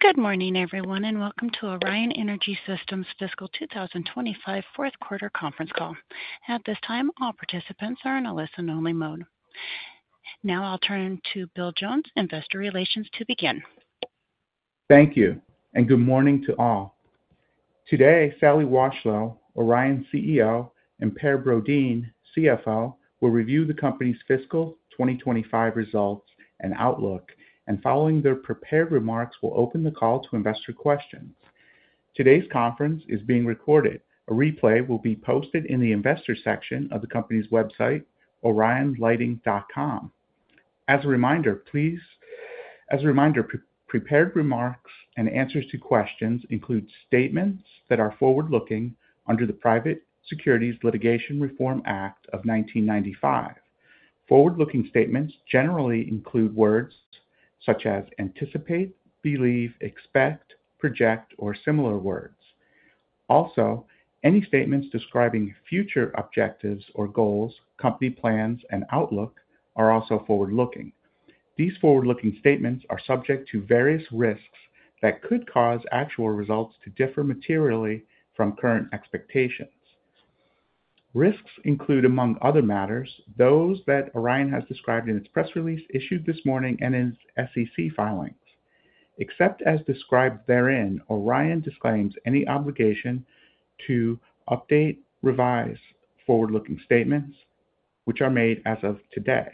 Good morning, everyone, and welcome to Orion Energy Systems' fiscal 2025 fourth quarter conference call. At this time, all participants are in a listen-only mode. Now I'll turn to Bill Jones, Investor Relations, to begin. Thank you, and good morning to all. Today, Sally Washlow, Orion CEO, and Per Brodin, CFO, will review the company's fiscal 2025 results and outlook, and following their prepared remarks, we'll open the call to investor questions. Today's conference is being recorded. A replay will be posted in the investor section of the company's website, orionlighting.com. As a reminder, prepared remarks and answers to questions include statements that are forward-looking under the Private Securities Litigation Reform Act of 1995. Forward-looking statements generally include words such as anticipate, believe, expect, project, or similar words. Also, any statements describing future objectives or goals, company plans, and outlook are also forward-looking. These forward-looking statements are subject to various risks that could cause actual results to differ materially from current expectations. Risks include, among other matters, those that Orion has described in its press release issued this morning and in its SEC filings. Except as described therein, Orion disclaims any obligation to update/revise forward-looking statements, which are made as of today.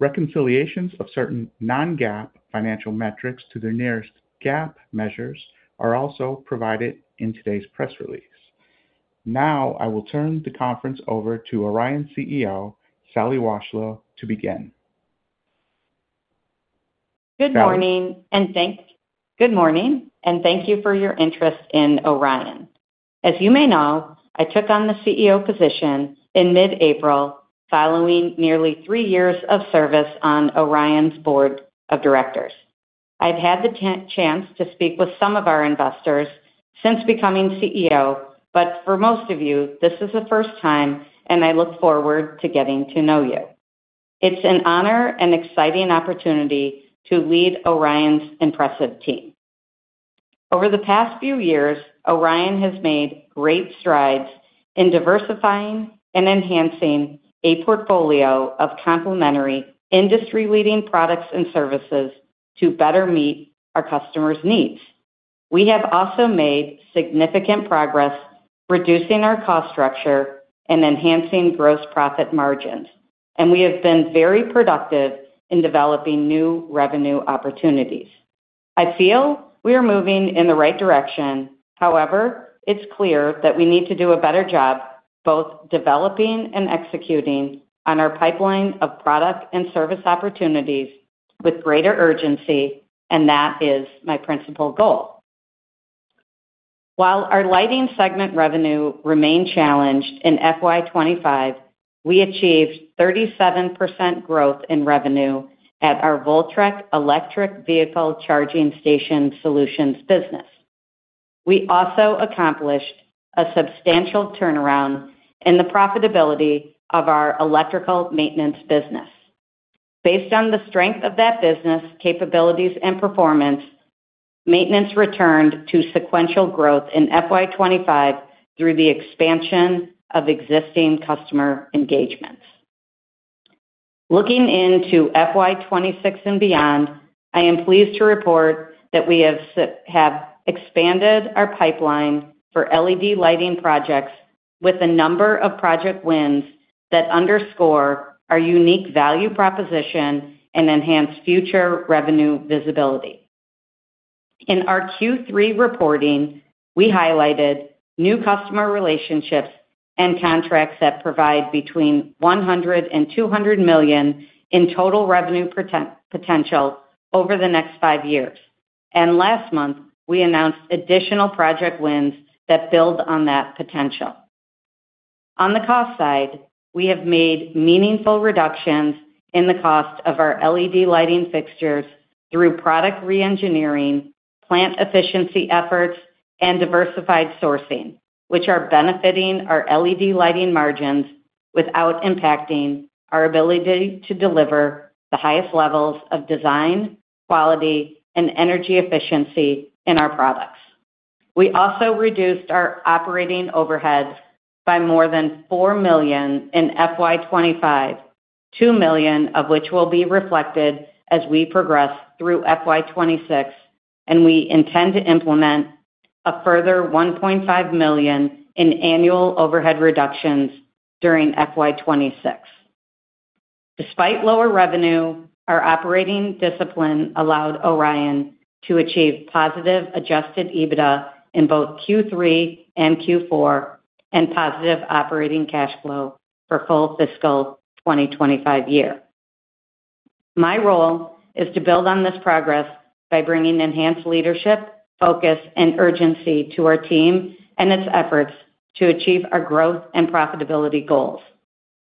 Reconciliations of certain non-GAAP financial metrics to their nearest GAAP measures are also provided in today's press release. Now I will turn the conference over to Orion CEO, Sally Washlow, to begin. Good morning, and thanks for your interest in Orion. As you may know, I took on the CEO position in mid-April, following nearly three years of service on Orion's board of directors. I've had the chance to speak with some of our investors since becoming CEO, but for most of you, this is the first time, and I look forward to getting to know you. It's an honor and exciting opportunity to lead Orion's impressive team. Over the past few years, Orion has made great strides in diversifying and enhancing a portfolio of complementary industry-leading products and services to better meet our customers' needs. We have also made significant progress reducing our cost structure and enhancing gross profit margins, and we have been very productive in developing new revenue opportunities. I feel we are moving in the right direction. However, it's clear that we need to do a better job both developing and executing on our pipeline of product and service opportunities with greater urgency, and that is my principal goal. While our lighting segment revenue remained challenged in FY2025, we achieved 37% growth in revenue at our Voltrek EV charging station solutions business. We also accomplished a substantial turnaround in the profitability of our electrical maintenance business. Based on the strength of that business, capabilities, and performance, maintenance returned to sequential growth in FY2025 through the expansion of existing customer engagements. Looking into FY2026 and beyond, I am pleased to report that we have expanded our pipeline for LED lighting projects with a number of project wins that underscore our unique value proposition and enhance future revenue visibility. In our Q3 reporting, we highlighted new customer relationships and contracts that provide between $100 million and $200 million in total revenue potential over the next five years, and last month, we announced additional project wins that build on that potential. On the cost side, we have made meaningful reductions in the cost of our LED lighting fixtures through product re-engineering, plant efficiency efforts, and diversified sourcing, which are benefiting our LED lighting margins without impacting our ability to deliver the highest levels of design, quality, and energy efficiency in our products. We also reduced our operating overhead by more than $4 million in FY 2025, $2 million of which will be reflected as we progress through FY 2026, and we intend to implement a further $1.5 million in annual overhead reductions during FY 2026. Despite lower revenue, our operating discipline allowed Orion to achieve positive adjusted EBITDA in both Q3 and Q4 and positive operating cash flow for full fiscal 2025 year. My role is to build on this progress by bringing enhanced leadership, focus, and urgency to our team and its efforts to achieve our growth and profitability goals.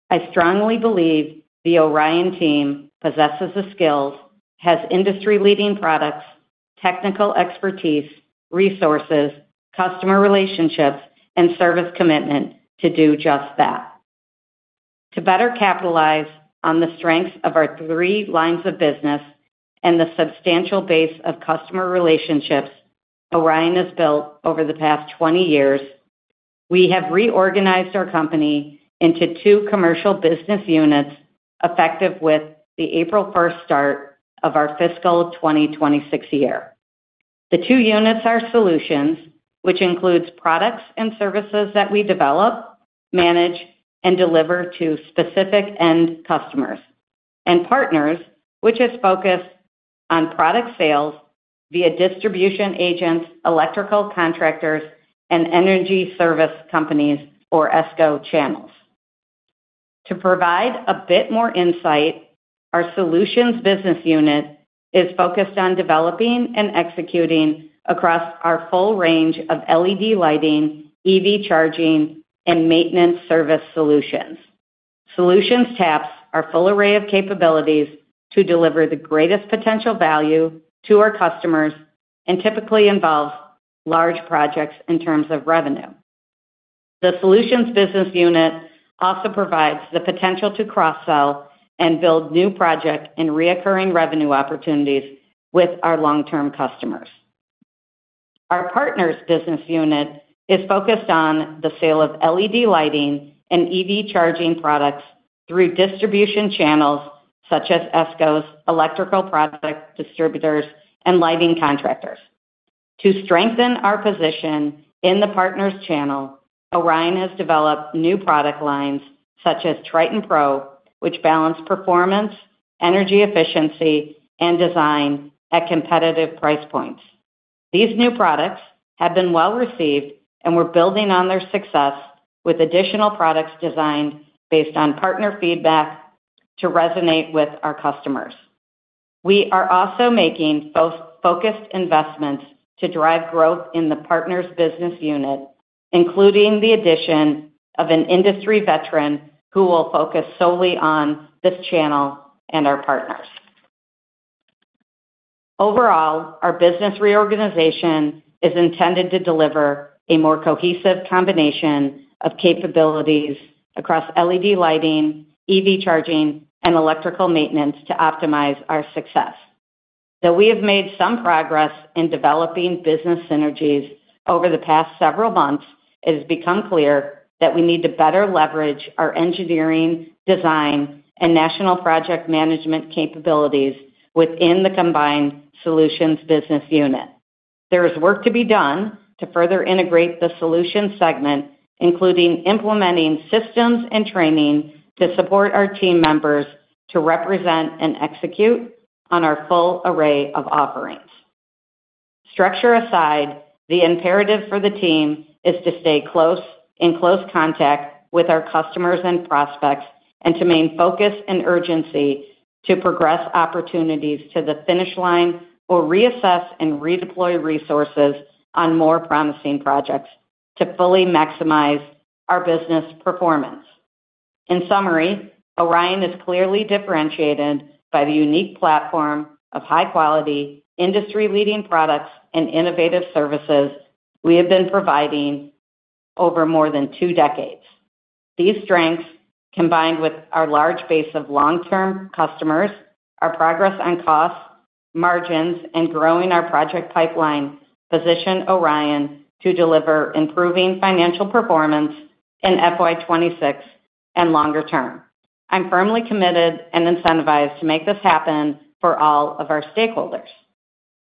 I strongly believe the Orion team possesses the skills, has industry-leading products, technical expertise, resources, customer relationships, and service commitment to do just that. To better capitalize on the strengths of our three lines of business and the substantial base of customer relationships Orion has built over the past 20 years, we have reorganized our company into two commercial business units effective with the April 1st start of our fiscal 2026 year. The two units are solutions, which include products and services that we develop, manage, and deliver to specific end customers, and partners, which is focused on product sales via distribution agents, electrical contractors, and energy service companies, or ESCO channels. To provide a bit more insight, our solutions business unit is focused on developing and executing across our full range of LED lighting, EV charging, and maintenance service solutions. Solutions taps our full array of capabilities to deliver the greatest potential value to our customers and typically involves large projects in terms of revenue. The solutions business unit also provides the potential to cross-sell and build new projects and recurring revenue opportunities with our long-term customers. Our partners business unit is focused on the sale of LED lighting and EV charging products through distribution channels such as ESCOs, electrical product distributors, and lighting contractors. To strengthen our position in the partners' channel, Orion has developed new product lines such as Triton Pro, which balance performance, energy efficiency, and design at competitive price points. These new products have been well received and we're building on their success with additional products designed based on partner feedback to resonate with our customers. We are also making focused investments to drive growth in the partners' business unit, including the addition of an industry veteran who will focus solely on this channel and our partners. Overall, our business reorganization is intended to deliver a more cohesive combination of capabilities across LED lighting, EV charging, and electrical maintenance to optimize our success. Though we have made some progress in developing business synergies over the past several months, it has become clear that we need to better leverage our engineering, design, and national project management capabilities within the combined solutions business unit. There is work to be done to further integrate the solutions segment, including implementing systems and training to support our team members to represent and execute on our full array of offerings. Structure aside, the imperative for the team is to stay in close contact with our customers and prospects and to maintain focus and urgency to progress opportunities to the finish line or reassess and redeploy resources on more promising projects to fully maximize our business performance. In summary, Orion is clearly differentiated by the unique platform of high-quality, industry-leading products and innovative services we have been providing over more than two decades. These strengths, combined with our large base of long-term customers, our progress on costs, margins, and growing our project pipeline, position Orion to deliver improving financial performance in FY26 and longer term. I'm firmly committed and incentivized to make this happen for all of our stakeholders.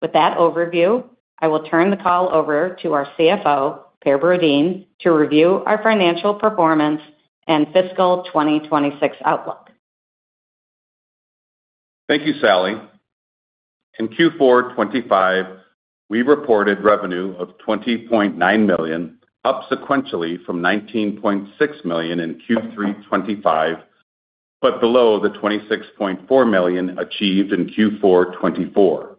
With that overview, I will turn the call over to our CFO, Per Brodin, to review our financial performance and fiscal 2026 outlook. Thank you, Sally. In Q4 2025, we reported revenue of $20.9 million, up sequentially from $19.6 million in Q3 2025, but below the $26.4 million achieved in Q4 2024.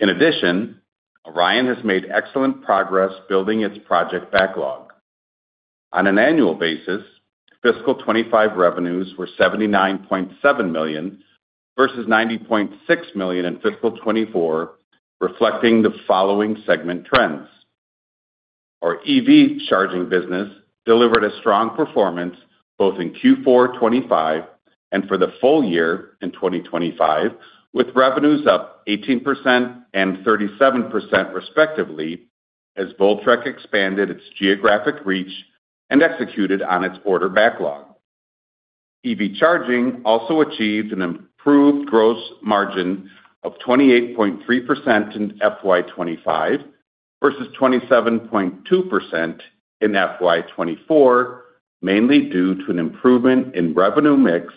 In addition, Orion has made excellent progress building its project backlog. On an annual basis, fiscal 2025 revenues were $79.7 million versus $90.6 million in fiscal 2024, reflecting the following segment trends. Our EV charging business delivered a strong performance both in Q4 2025 and for the full year in 2025, with revenues up 18% and 37% respectively as Voltrek expanded its geographic reach and executed on its order backlog. EV charging also achieved an improved gross margin of 28.3% in fiscal 2025 versus 27.2% in fiscal 2024, mainly due to an improvement in revenue mix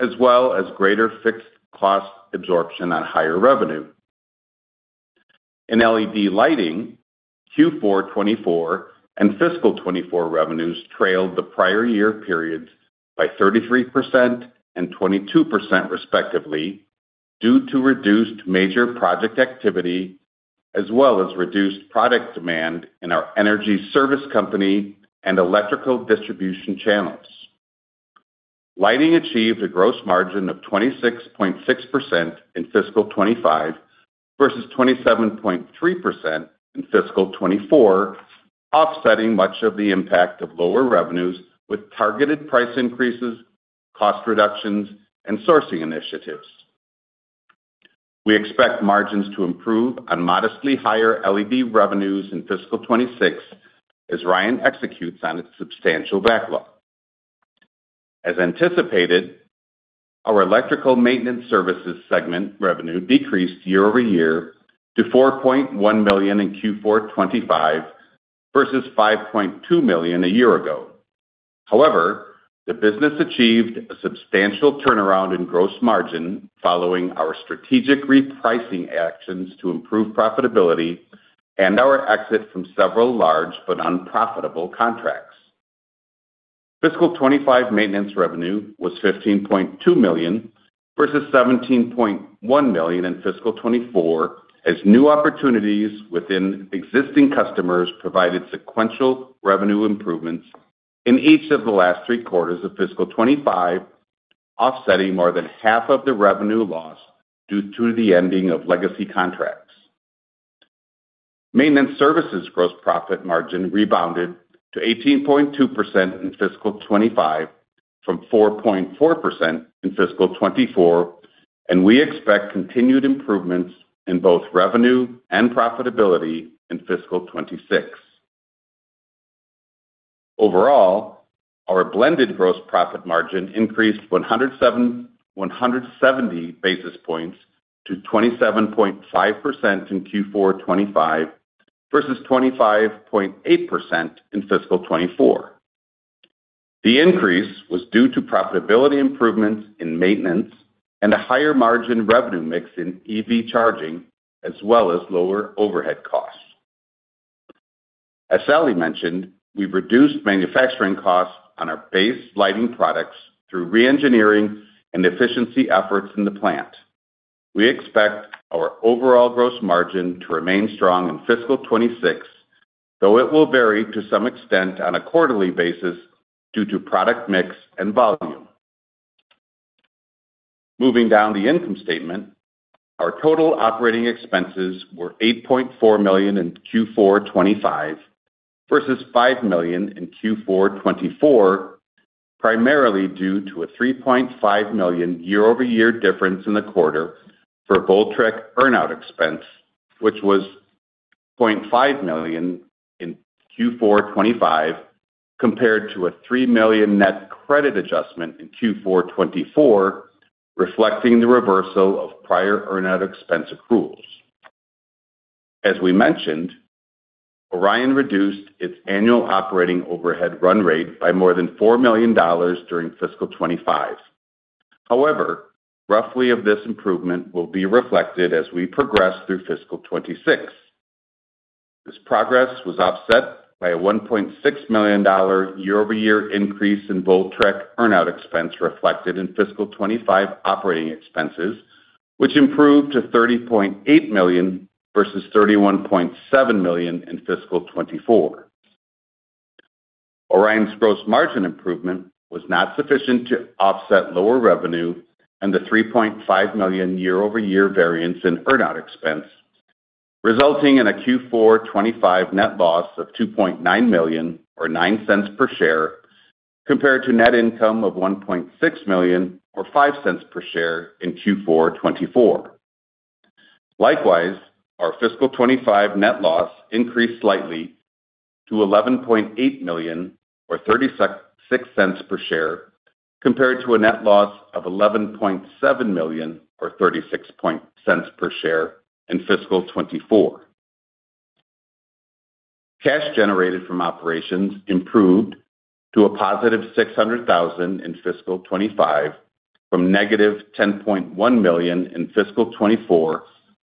as well as greater fixed cost absorption on higher revenue. In LED lighting, Q4 2024 and fiscal 2024 revenues trailed the prior year periods by 33% and 22% respectively due to reduced major project activity as well as reduced product demand in our energy service company and electrical distribution channels. Lighting achieved a gross margin of 26.6% in fiscal 2025 versus 27.3% in fiscal 2024, offsetting much of the impact of lower revenues with targeted price increases, cost reductions, and sourcing initiatives. We expect margins to improve on modestly higher LED revenues in fiscal 2026 as Orion executes on its substantial backlog. As anticipated, our electrical maintenance services segment revenue decreased year over year to $4.1 million in Q4 2025 versus $5.2 million a year ago. However, the business achieved a substantial turnaround in gross margin following our strategic repricing actions to improve profitability and our exit from several large but unprofitable contracts. Fiscal 2025 maintenance revenue was $15.2 million versus $17.1 million in fiscal 2024 as new opportunities within existing customers provided sequential revenue improvements in each of the last three quarters of fiscal 2025, offsetting more than half of the revenue lost due to the ending of legacy contracts. Maintenance services gross profit margin rebounded to 18.2% in fiscal 2025 from 4.4% in fiscal 2024, and we expect continued improvements in both revenue and profitability in fiscal 2026. Overall, our blended gross profit margin increased 170 basis points to 27.5% in Q4 2025 versus 25.8% in fiscal 2024. The increase was due to profitability improvements in maintenance and a higher margin revenue mix in EV charging as well as lower overhead costs. As Sally mentioned, we've reduced manufacturing costs on our base lighting products through reengineering and efficiency efforts in the plant. We expect our overall gross margin to remain strong in fiscal 2026, though it will vary to some extent on a quarterly basis due to product mix and volume. Moving down the income statement, our total operating expenses were $8.4 million in Q4 2025 versus $5 million in Q4 2024, primarily due to a $3.5 million year-over-year difference in the quarter for Voltrek earn-out expense, which was $0.5 million in Q4 2025 compared to a $3 million net credit adjustment in Q4 2024, reflecting the reversal of prior earn-out expense accruals. As we mentioned, Orion reduced its annual operating overhead run rate by more than $4 million during fiscal 2025. However, roughly half of this improvement will be reflected as we progress through fiscal 2026. This progress was offset by a $1.6 million year-over-year increase in Voltrek earn-out expense reflected in fiscal 2025 operating expenses, which improved to $30.8 million versus $31.7 million in fiscal 2024. Orion's gross margin improvement was not sufficient to offset lower revenue and the $3.5 million year-over-year variance in earn-out expense, resulting in a Q4 2025 net loss of $2.9 million or $0.09 per share compared to net income of $1.6 million or $0.05 per share in Q4 2024. Likewise, our fiscal 2025 net loss increased slightly to $11.8 million or $0.36 per share compared to a net loss of $11.7 million or $0.36 per share in fiscal 2024. Cash generated from operations improved to a positive $600,000 in fiscal 2025 from negative $10.1 million in fiscal 2024,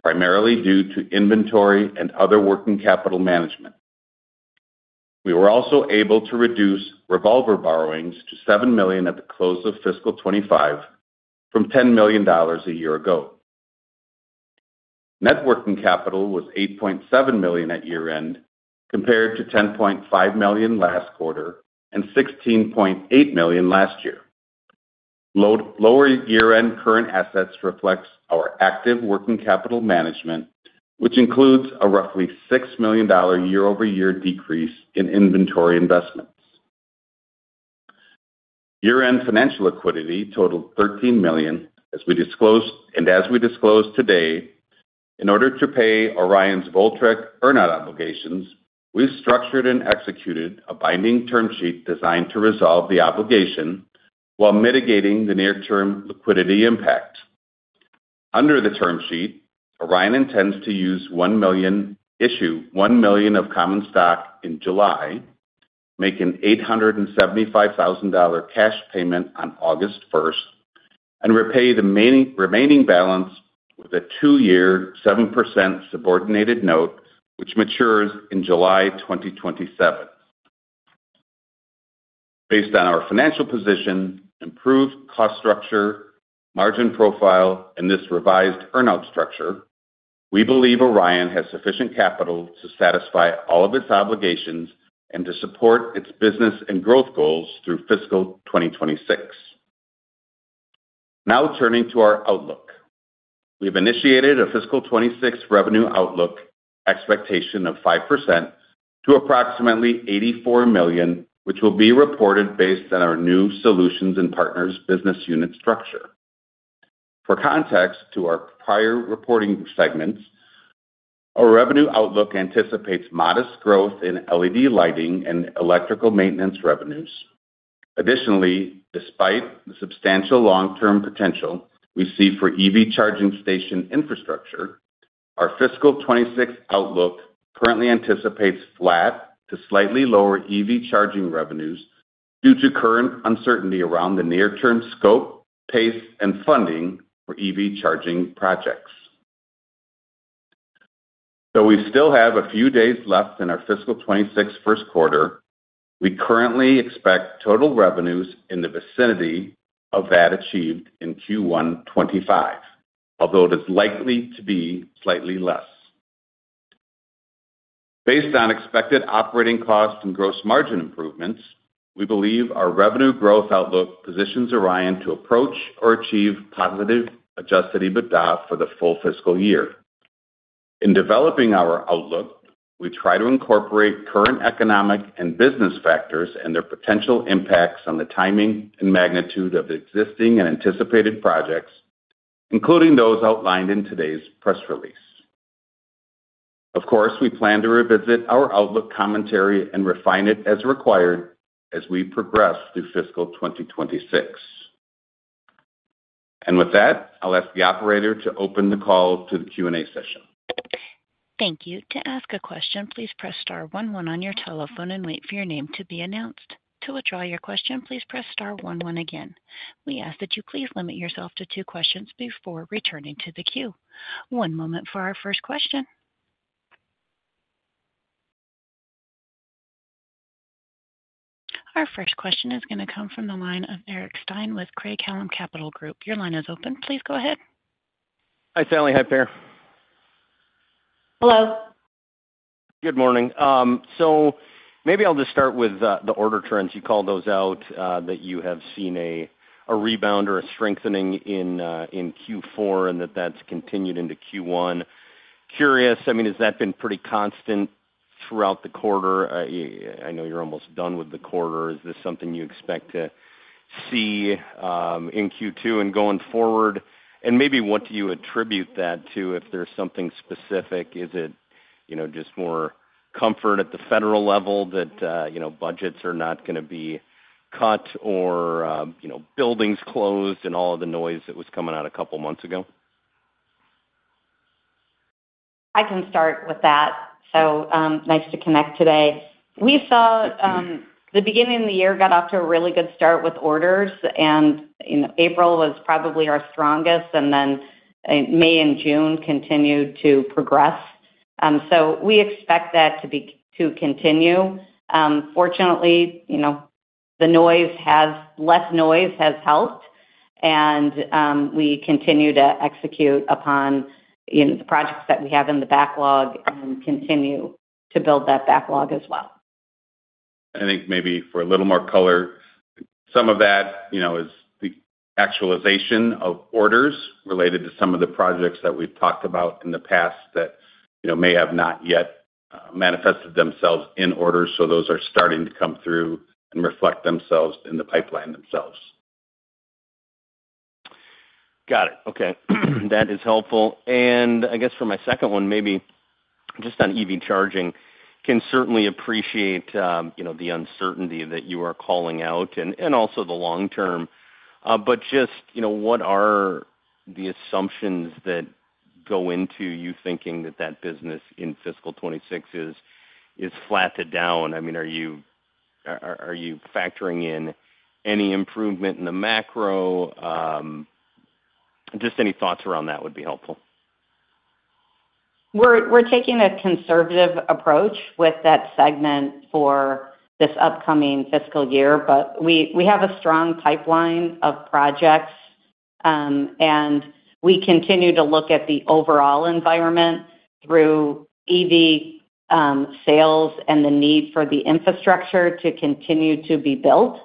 primarily due to inventory and other working capital management. We were also able to reduce revolver borrowings to $7 million at the close of fiscal 2025 from $10 million a year ago. Net working capital was $8.7 million at year-end compared to $10.5 million last quarter and $16.8 million last year. Lower year-end current assets reflects our active working capital management, which includes a roughly $6 million year-over-year decrease in inventory investments. Year-end financial liquidity totaled $13 million, as we disclosed and as we disclose today. In order to pay Orion's Voltrek earn-out obligations, we structured and executed a binding term sheet designed to resolve the obligation while mitigating the near-term liquidity impact. Under the term sheet, Orion intends to use $1 million, issue $1 million of common stock in July, make an $875,000 cash payment on August 1, and repay the remaining balance with a two-year 7% subordinated note, which matures in July 2027. Based on our financial position, improved cost structure, margin profile, and this revised earn-out structure, we believe Orion has sufficient capital to satisfy all of its obligations and to support its business and growth goals through fiscal 2026. Now turning to our outlook, we have initiated a fiscal 2026 revenue outlook expectation of 5% to approximately $84 million, which will be reported based on our new solutions and partners' business unit structure. For context to our prior reporting segments, our revenue outlook anticipates modest growth in LED lighting and electrical maintenance revenues. Additionally, despite the substantial long-term potential we see for EV charging station infrastructure, our fiscal 2026 outlook currently anticipates flat to slightly lower EV charging revenues due to current uncertainty around the near-term scope, pace, and funding for EV charging projects. Though we still have a few days left in our fiscal 2026 first quarter, we currently expect total revenues in the vicinity of that achieved in Q1 2025, although it is likely to be slightly less. Based on expected operating costs and gross margin improvements, we believe our revenue growth outlook positions Orion to approach or achieve positive adjusted EBITDA for the full fiscal year. In developing our outlook, we try to incorporate current economic and business factors and their potential impacts on the timing and magnitude of existing and anticipated projects, including those outlined in today's press release. Of course, we plan to revisit our outlook commentary and refine it as required as we progress through fiscal 2026. With that, I'll ask the operator to open the call to the Q&A session. Thank you. To ask a question, please press star 11 on your telephone and wait for your name to be announced. To withdraw your question, please press star 11 again. We ask that you please limit yourself to two questions before returning to the queue. One moment for our first question. Our first question is going to come from the line of Eric Stine with Craig-Hallum Capital Group. Your line is open. Please go ahead. Hi, Sally. Hi there. Hello. Good morning. Maybe I'll just start with the order trends. You called those out that you have seen a rebound or a strengthening in Q4 and that that's continued into Q1. Curious, I mean, has that been pretty constant throughout the quarter? I know you're almost done with the quarter. Is this something you expect to see in Q2 and going forward? Maybe what do you attribute that to if there's something specific? Is it just more comfort at the federal level that budgets are not going to be cut or buildings closed and all of the noise that was coming out a couple of months ago? I can start with that. Nice to connect today. We saw the beginning of the year got off to a really good start with orders, and April was probably our strongest, and May and June continued to progress. We expect that to continue. Fortunately, the noise, less noise, has helped, and we continue to execute upon the projects that we have in the backlog and continue to build that backlog as well. I think maybe for a little more color, some of that is the actualization of orders related to some of the projects that we've talked about in the past that may have not yet manifested themselves in order. Those are starting to come through and reflect themselves in the pipeline themselves. Got it. Okay. That is helpful. I guess for my second one, maybe just on EV charging, can certainly appreciate the uncertainty that you are calling out and also the long term. What are the assumptions that go into you thinking that that business in fiscal 2026 is flat or down? I mean, are you factoring in any improvement in the macro? Just any thoughts around that would be helpful. We're taking a conservative approach with that segment for this upcoming fiscal year, but we have a strong pipeline of projects, and we continue to look at the overall environment through EV sales and the need for the infrastructure to continue to be built.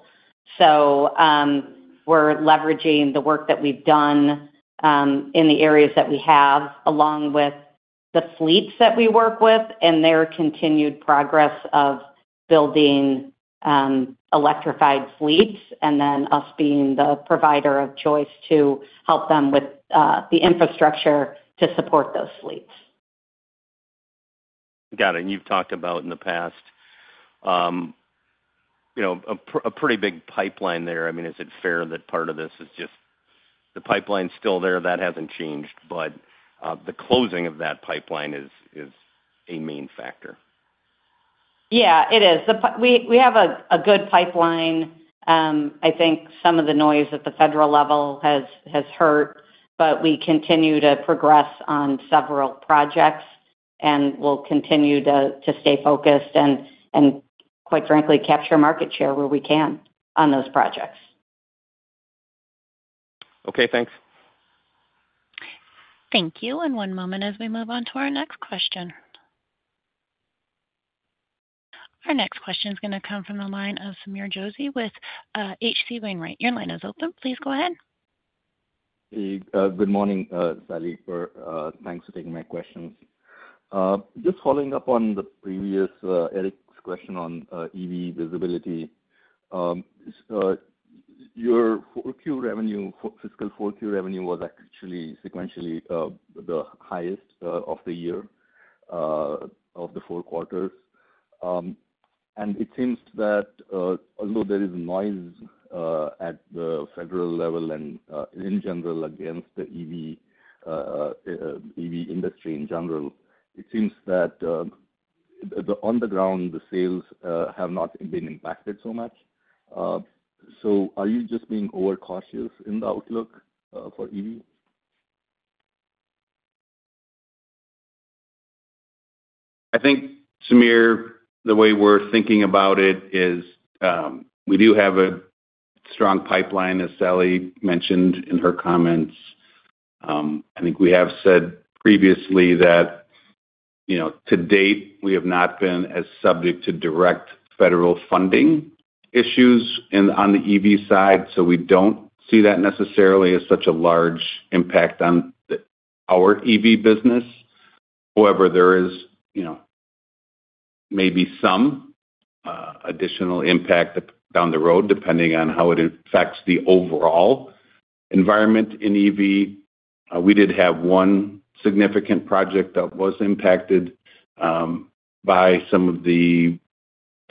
We are leveraging the work that we've done in the areas that we have along with the fleets that we work with and their continued progress of building electrified fleets and then us being the provider of choice to help them with the infrastructure to support those fleets. Got it. You have talked about in the past a pretty big pipeline there. I mean, is it fair that part of this is just the pipeline is still there? That has not changed, but the closing of that pipeline is a main factor. Yeah, it is. We have a good pipeline. I think some of the noise at the federal level has hurt, but we continue to progress on several projects and will continue to stay focused and, quite frankly, capture market share where we can on those projects. Okay. Thanks. Thank you. One moment as we move on to our next question. Our next question is going to come from the line of Sameer S. Joshi with H.C. Wainwright. Your line is open. Please go ahead. Good morning, Sally. Thanks for taking my questions. Just following up on the previous Eric's question on EV visibility, your fiscal Q4 revenue was actually sequentially the highest of the year of the four quarters. It seems that although there is noise at the federal level and in general against the EV industry in general, it seems that on the ground, the sales have not been impacted so much. Are you just being overcautious in the outlook for EV? I think, Samir, the way we're thinking about it is we do have a strong pipeline, as Sally mentioned in her comments. I think we have said previously that to date, we have not been as subject to direct federal funding issues on the EV side, so we don't see that necessarily as such a large impact on our EV business. However, there is maybe some additional impact down the road depending on how it affects the overall environment in EV. We did have one significant project that was impacted by some of the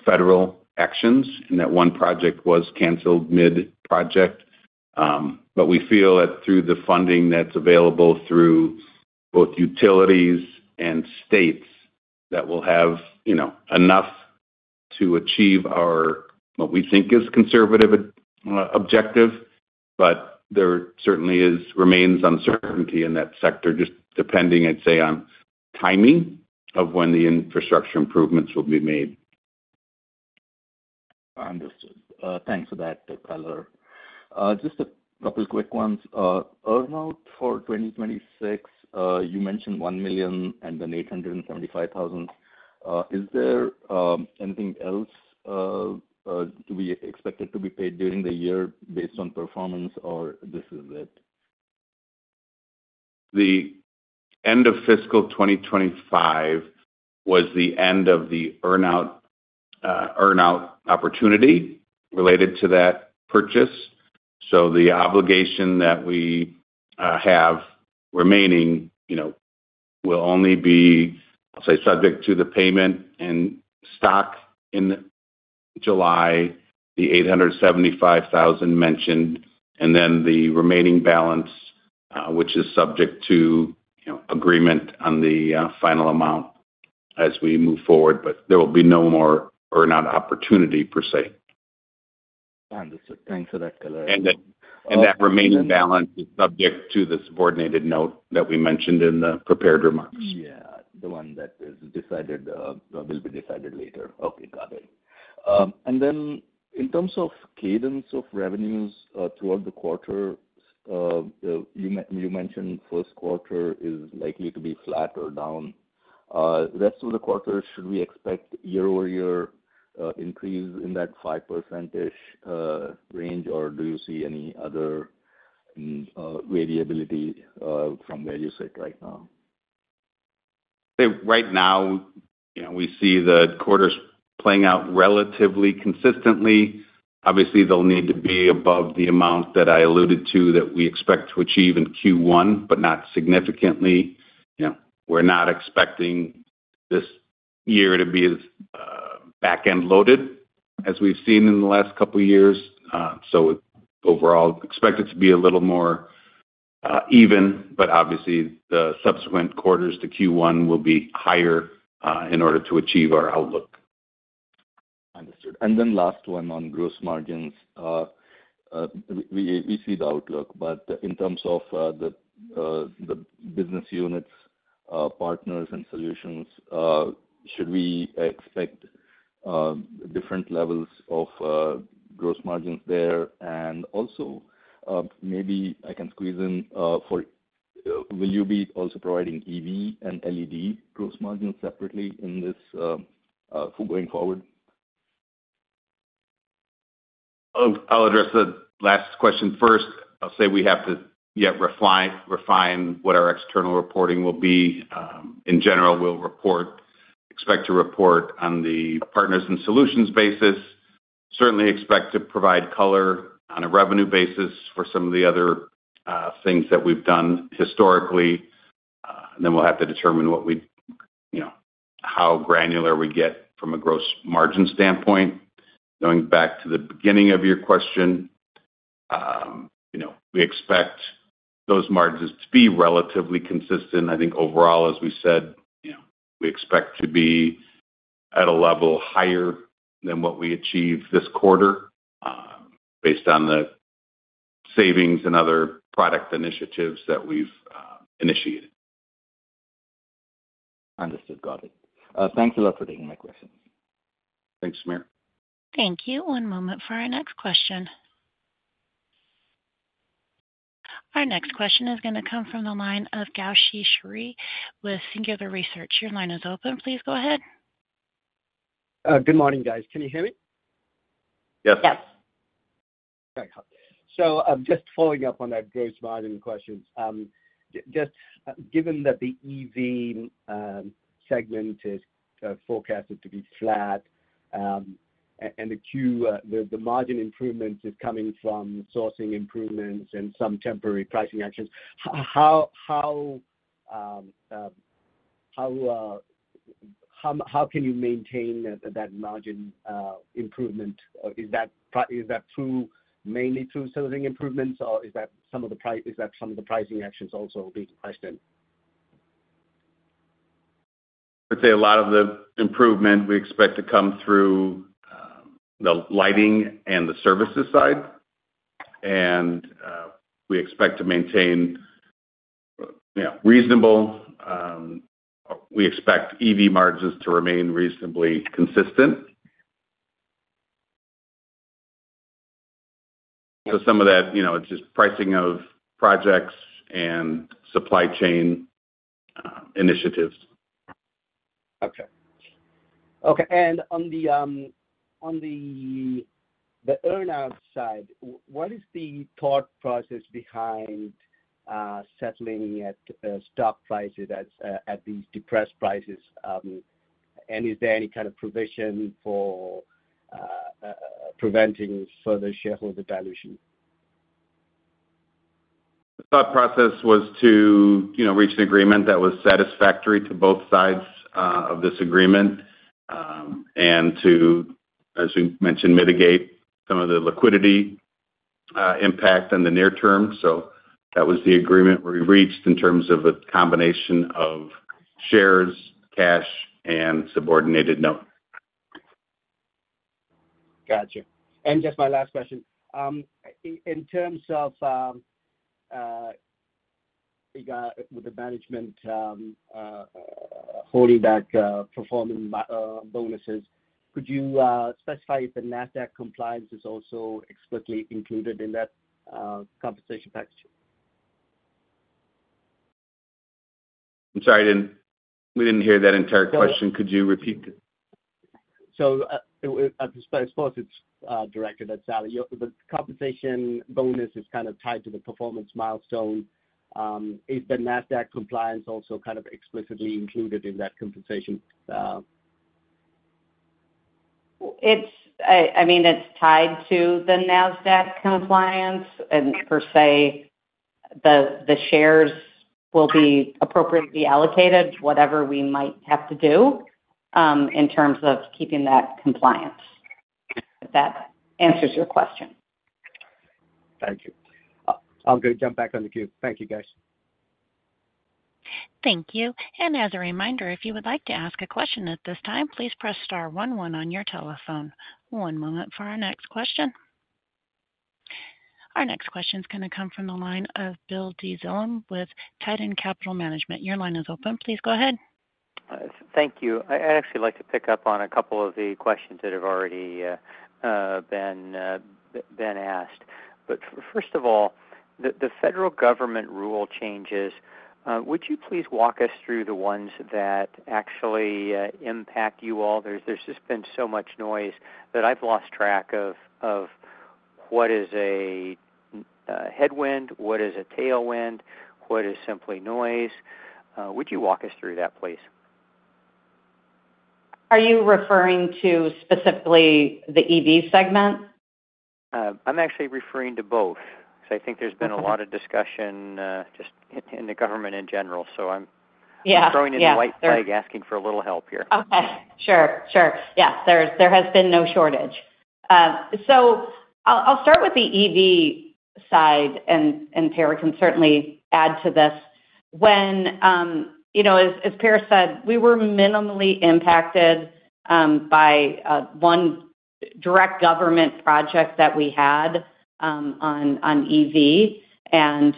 federal actions, and that one project was canceled mid-project. We feel that through the funding that's available through both utilities and states, that will have enough to achieve what we think is a conservative objective. There certainly remains uncertainty in that sector, just depending, I'd say, on timing of when the infrastructure improvements will be made. Understood. Thanks for that, Dr. Carlson. Just a couple of quick ones. Earn-out for 2026, you mentioned $1 million and then $875,000. Is there anything else to be expected to be paid during the year based on performance, or this is it? The end of fiscal 2025 was the end of the earn-out opportunity related to that purchase. The obligation that we have remaining will only be, I'll say, subject to the payment and stock in July, the $875,000 mentioned, and then the remaining balance, which is subject to agreement on the final amount as we move forward. There will be no more earn-out opportunity per se. Understood. Thanks for that That remaining balance is subject to the subordinated note that we mentioned in the prepared remarks. Yeah. The one that is decided will be decided later. Okay. Got it. In terms of cadence of revenues throughout the quarter, you mentioned first quarter is likely to be flat or down. The rest of the quarter, should we expect year-over-year increase in that 5% range, or do you see any other variability from where you sit right now? Right now, we see the quarters playing out relatively consistently. Obviously, they'll need to be above the amount that I alluded to that we expect to achieve in Q1, but not significantly. We're not expecting this year to be as back-end loaded as we've seen in the last couple of years. Overall, expect it to be a little more even, but obviously, the subsequent quarters to Q1 will be higher in order to achieve our outlook. Understood. And then last one on gross margins. We see the outlook, but in terms of the business units, partners, and solutions, should we expect different levels of gross margins there? And also, maybe I can squeeze in, will you be also providing EV and LED gross margins separately for going forward? I'll address the last question first. I'll say we have to, yeah, refine what our external reporting will be. In general, we'll expect to report on the partners and solutions basis. Certainly expect to provide color on a revenue basis for some of the other things that we've done historically. We will have to determine how granular we get from a gross margin standpoint. Going back to the beginning of your question, we expect those margins to be relatively consistent. I think overall, as we said, we expect to be at a level higher than what we achieved this quarter based on the savings and other product initiatives that we've initiated. Understood. Got it. Thanks a lot for taking my questions. Thanks, Samir. Thank you. One moment for our next question. Our next question is going to come from the line of [Gao Xi Shui] with Singular Research. Your line is open. Please go ahead. Good morning, guys. Can you hear me? Yes. Yes. Okay. Just following up on that gross margin question, just given that the EV segment is forecasted to be flat and the margin improvement is coming from sourcing improvements and some temporary pricing actions, how can you maintain that margin improvement? Is that mainly through sourcing improvements, or is that some of the pricing actions also being questioned? I'd say a lot of the improvement we expect to come through the lighting and the services side. We expect to maintain reasonable, we expect EV margins to remain reasonably consistent. Some of that, it's just pricing of projects and supply chain initiatives. Okay. Okay. On the earn-out side, what is the thought process behind settling at stock prices at these depressed prices? Is there any kind of provision for preventing further shareholder dilution? The thought process was to reach an agreement that was satisfactory to both sides of this agreement and to, as you mentioned, mitigate some of the liquidity impact in the near term. That was the agreement we reached in terms of a combination of shares, cash, and subordinated note. Gotcha. And just my last question. In terms of the management holding back performance bonuses, could you specify if the NASDAQ compliance is also explicitly included in that compensation package? I'm sorry. We didn't hear that entire question. Could you repeat? I suppose it's directed at Sally. The compensation bonus is kind of tied to the performance milestone. Is the NASDAQ compliance also kind of explicitly included in that compensation? I mean, it's tied to the NASDAQ compliance, and per se, the shares will be appropriately allocated, whatever we might have to do in terms of keeping that compliance. If that answers your question. Thank you. I'm going to jump back on the queue. Thank you, guys. Thank you. As a reminder, if you would like to ask a question at this time, please press star 11 on your telephone. One moment for our next question. Our next question is going to come from the line of [Bill D. Zillum] with Titan Capital Management. Your line is open. Please go ahead. Thank you. I'd actually like to pick up on a couple of the questions that have already been asked. First of all, the federal government rule changes, would you please walk us through the ones that actually impact you all? There's just been so much noise that I've lost track of what is a headwind, what is a tailwind, what is simply noise. Would you walk us through that, please? Are you referring to specifically the EV segment? I'm actually referring to both because I think there's been a lot of discussion just in the government in general. So I'm throwing in the white flag asking for a little help here. Okay. Sure. Sure. Yeah. There has been no shortage. I will start with the EV side, and Per can certainly add to this. As Per said, we were minimally impacted by one direct government project that we had on EV, and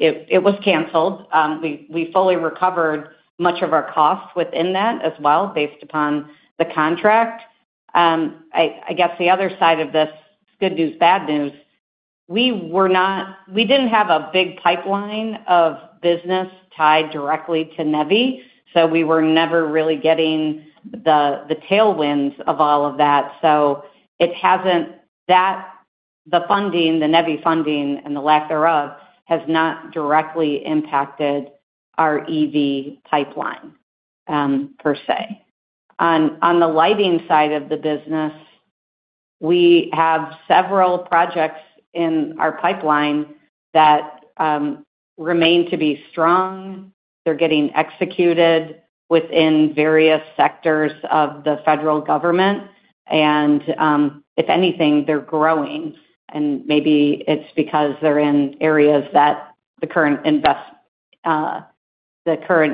it was canceled. We fully recovered much of our costs within that as well based upon the contract. I guess the other side of this is good news, bad news. We did not have a big pipeline of business tied directly to NEVI, so we were never really getting the tailwinds of all of that. The funding, the NEVI funding and the lack thereof, has not directly impacted our EV pipeline per se. On the lighting side of the business, we have several projects in our pipeline that remain to be strong. They are getting executed within various sectors of the federal government. If anything, they are growing. Maybe it's because they're in areas that the current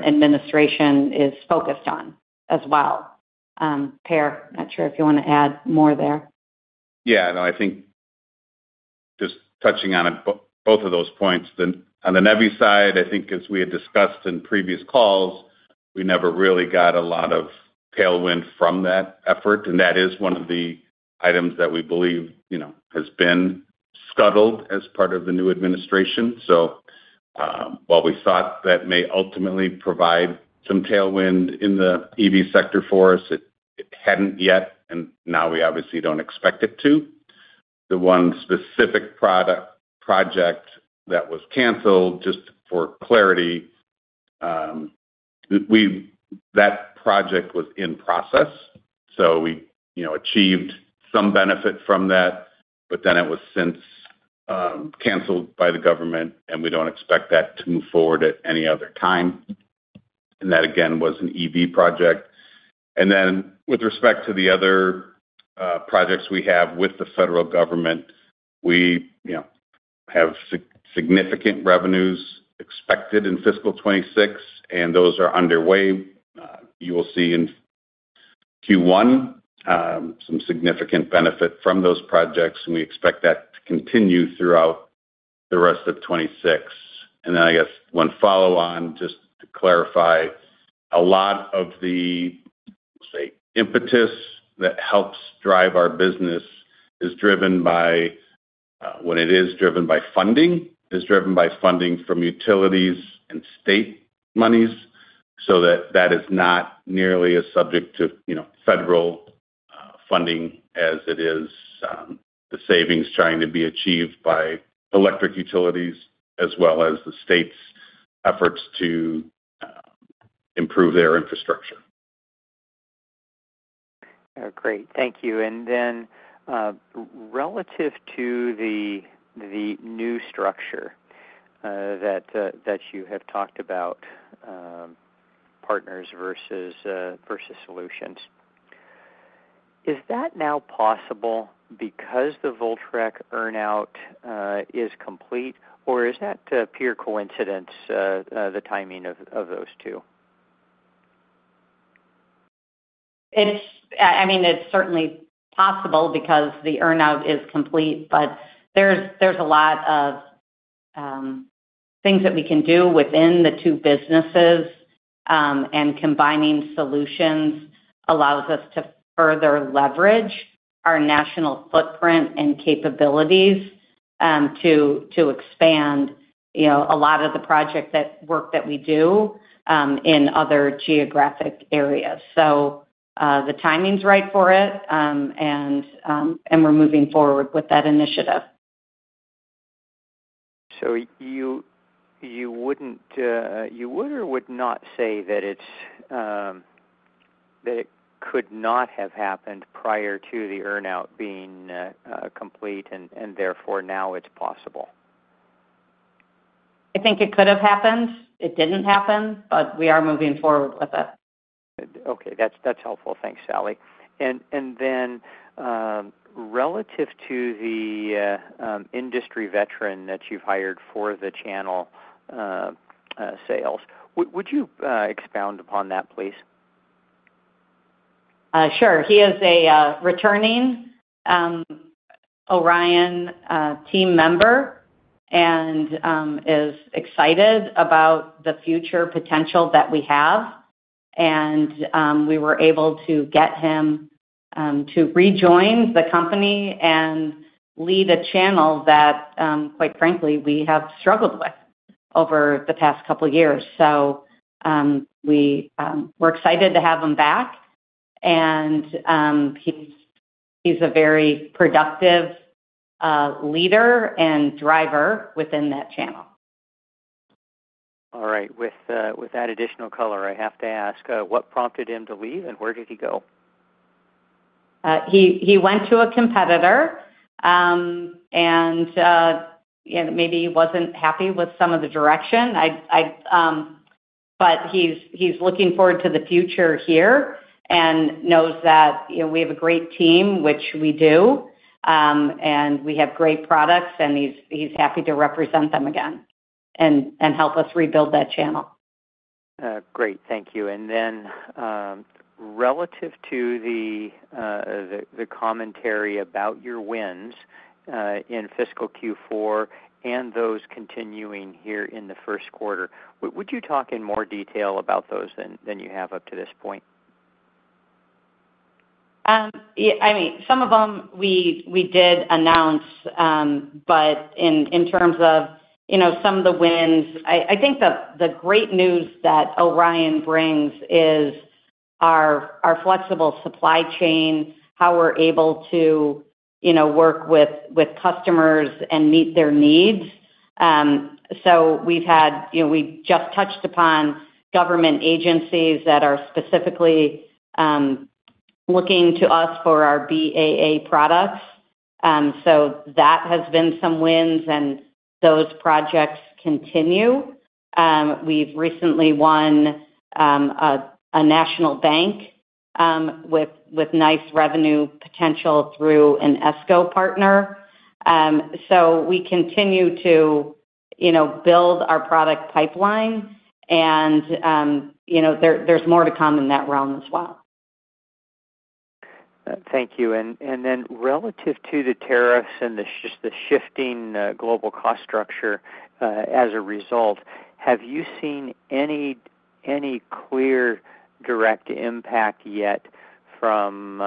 administration is focused on as well. Per, not sure if you want to add more there. Yeah. No, I think just touching on both of those points. On the NEVI side, I think, as we had discussed in previous calls, we never really got a lot of tailwind from that effort. That is one of the items that we believe has been scuttled as part of the new administration. While we thought that may ultimately provide some tailwind in the EV sector for us, it had not yet, and now we obviously do not expect it to. The one specific project that was canceled, just for clarity, that project was in process. We achieved some benefit from that, but then it was since canceled by the government, and we do not expect that to move forward at any other time. That, again, was an EV project. With respect to the other projects we have with the federal government, we have significant revenues expected in fiscal 2026, and those are underway. You will see in Q1 some significant benefit from those projects, and we expect that to continue throughout the rest of 2026. I guess one follow-on, just to clarify, a lot of the impetus that helps drive our business is driven by, when it is driven by funding, is driven by funding from utilities and state monies, so that is not nearly as subject to federal funding as it is the savings trying to be achieved by electric utilities as well as the state's efforts to improve their infrastructure. Great. Thank you. Then relative to the new structure that you have talked about, partners versus solutions, is that now possible because the Voltrek earn-out is complete, or is that pure coincidence, the timing of those two? I mean, it's certainly possible because the earn-out is complete, but there's a lot of things that we can do within the two businesses, and combining solutions allows us to further leverage our national footprint and capabilities to expand a lot of the project work that we do in other geographic areas. The timing's right for it, and we're moving forward with that initiative. You would or would not say that it could not have happened prior to the earn-out being complete, and therefore now it's possible? I think it could have happened. It didn't happen, but we are moving forward with it. Okay. That's helpful. Thanks, Sally. Relative to the industry veteran that you've hired for the channel sales, would you expound upon that, please? Sure. He is a returning Orion team member and is excited about the future potential that we have. We were able to get him to rejoin the company and lead a channel that, quite frankly, we have struggled with over the past couple of years. We are excited to have him back, and he is a very productive leader and driver within that channel. All right. With that additional color, I have to ask, what prompted him to leave, and where did he go? He went to a competitor, and maybe he was not happy with some of the direction. He is looking forward to the future here and knows that we have a great team, which we do, and we have great products, and he is happy to represent them again and help us rebuild that channel. Great. Thank you. Relative to the commentary about your wins in fiscal Q4 and those continuing here in the first quarter, would you talk in more detail about those than you have up to this point? I mean, some of them we did announce, but in terms of some of the wins, I think the great news that Orion brings is our flexible supply chain, how we're able to work with customers and meet their needs. We just touched upon government agencies that are specifically looking to us for our BAA products. That has been some wins, and those projects continue. We've recently won a national bank with nice revenue potential through an ESCO partner. We continue to build our product pipeline, and there's more to come in that realm as well. Thank you. Relative to the tariffs and just the shifting global cost structure as a result, have you seen any clear direct impact yet from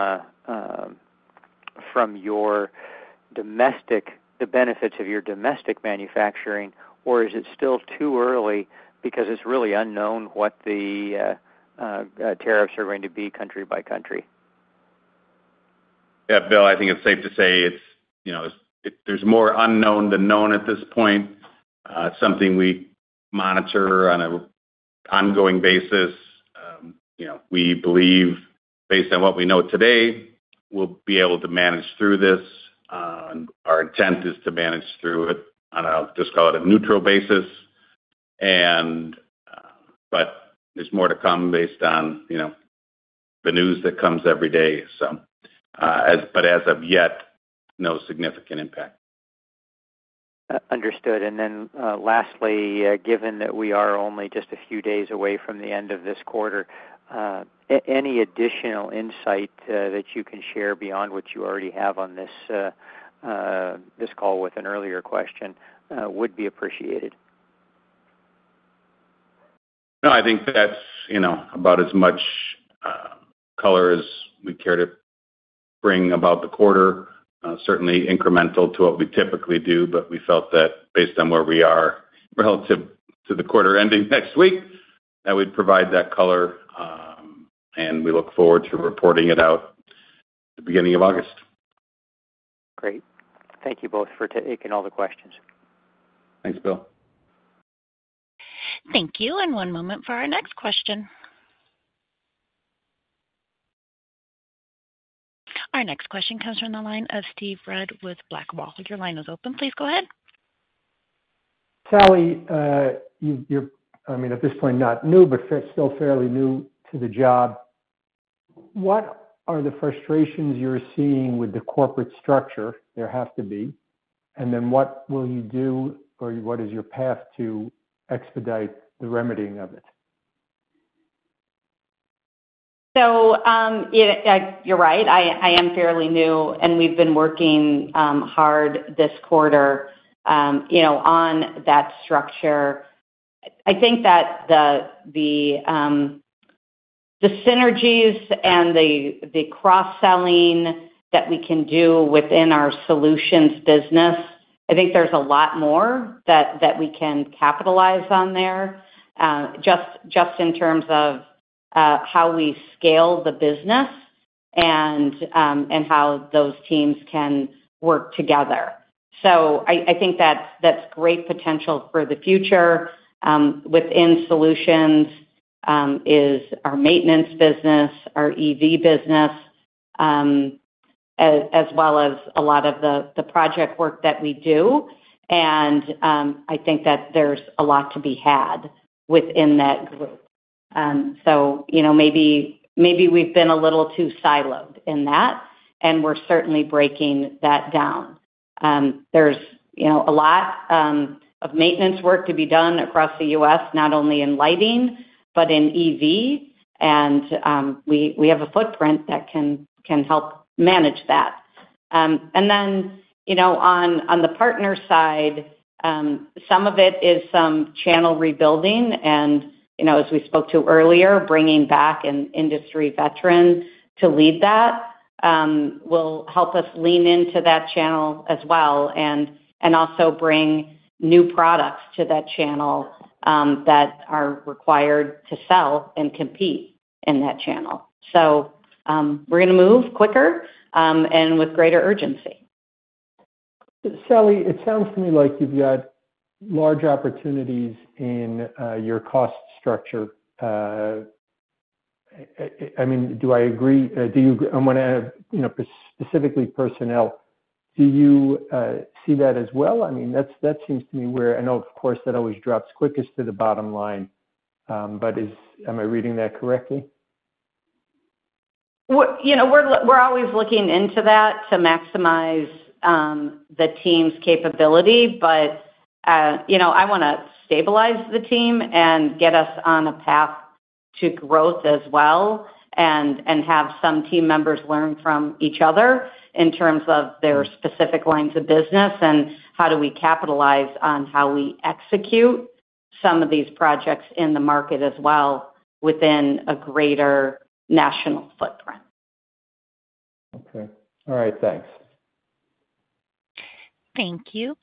the benefits of your domestic manufacturing, or is it still too early because it's really unknown what the tariffs are going to be country by country? Yeah, Bill, I think it's safe to say there's more unknown than known at this point. It's something we monitor on an ongoing basis. We believe, based on what we know today, we'll be able to manage through this. Our intent is to manage through it on a, just call it a neutral basis. There is more to come based on the news that comes every day. As of yet, no significant impact. Understood. Lastly, given that we are only just a few days away from the end of this quarter, any additional insight that you can share beyond what you already have on this call with an earlier question would be appreciated. No, I think that's about as much color as we care to bring about the quarter. Certainly incremental to what we typically do, but we felt that based on where we are relative to the quarter ending next week, that would provide that color, and we look forward to reporting it out at the beginning of August. Great. Thank you both for taking all the questions. Thanks, Bill. Thank you. One moment for our next question. Our next question comes from the line of Steve Rudd with Blackwall. Your line is open. Please go ahead. Sally, you're, I mean, at this point, not new, but still fairly new to the job. What are the frustrations you're seeing with the corporate structure? There have to be. What will you do, or what is your path to expedite the remedying of it? You're right. I am fairly new, and we've been working hard this quarter on that structure. I think that the synergies and the cross-selling that we can do within our solutions business, I think there's a lot more that we can capitalize on there just in terms of how we scale the business and how those teams can work together. I think that's great potential for the future within solutions is our maintenance business, our EV business, as well as a lot of the project work that we do. I think that there's a lot to be had within that group. Maybe we've been a little too siloed in that, and we're certainly breaking that down. There's a lot of maintenance work to be done across the U.S., not only in lighting, but in EV, and we have a footprint that can help manage that. On the partner side, some of it is some channel rebuilding. As we spoke to earlier, bringing back an industry veteran to lead that will help us lean into that channel as well and also bring new products to that channel that are required to sell and compete in that channel. We are going to move quicker and with greater urgency. Sally, it sounds to me like you've got large opportunities in your cost structure. I mean, do I agree? I want to specifically personnel. Do you see that as well? I mean, that seems to me where I know, of course, that always drops quickest to the bottom line, but am I reading that correctly? We're always looking into that to maximize the team's capability, but I want to stabilize the team and get us on a path to growth as well and have some team members learn from each other in terms of their specific lines of business and how do we capitalize on how we execute some of these projects in the market as well within a greater national footprint. Okay. All right. Thanks. Thank you.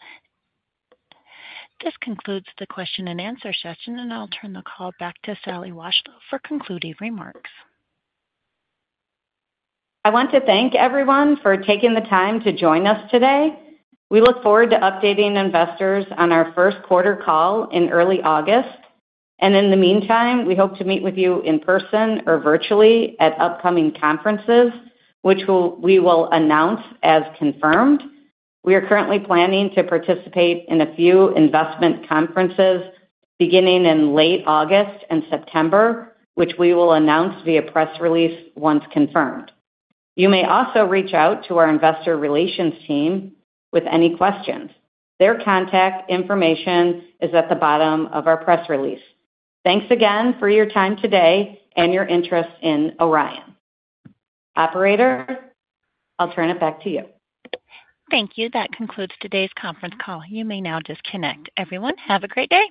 This concludes the question and answer session, and I'll turn the call back to Sally Washlow for concluding remarks. I want to thank everyone for taking the time to join us today. We look forward to updating investors on our first quarter call in early August. In the meantime, we hope to meet with you in person or virtually at upcoming conferences, which we will announce as confirmed. We are currently planning to participate in a few investment conferences beginning in late August and September, which we will announce via press release once confirmed. You may also reach out to our investor relations team with any questions. Their contact information is at the bottom of our press release. Thanks again for your time today and your interest in Orion. Operator, I'll turn it back to you. Thank you. That concludes today's conference call. You may now disconnect. Everyone, have a great day.